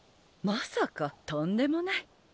まさかとんでもない。